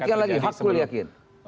yakin bukan yakin lagi hakul yakin